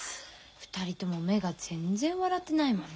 ２人とも目が全然笑ってないもんね。